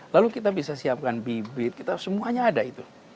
lalu kita bisa siapkan bibit kita semuanya ada itu